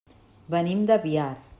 Venim de Biar.